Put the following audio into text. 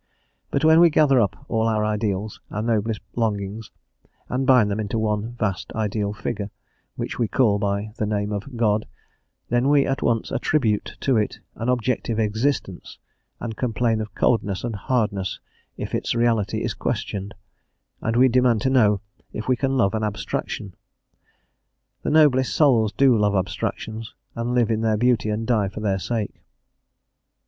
But when we gather up all our ideals, our noblest longings, and bind them into one vast ideal figure, which we call by the name of God, then we at once attribute to it an objective existence, and complain of coldness and hardness if its reality is questioned, and we demand to know if we can love an abstraction? The noblest souls do love abstractions, and live in their beauty and die for their sake.